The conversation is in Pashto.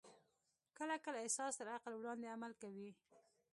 کله کله احساس تر عقل وړاندې عمل کوي.